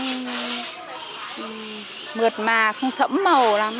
ngược mà không sẫm màu lắm